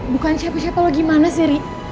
bukan siapa siapa lo gimana sih ri